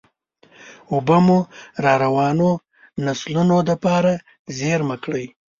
اوبه مو راروانو نسلونو دپاره زېرمه کړئ.